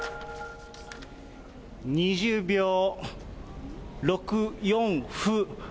２０秒、６四歩。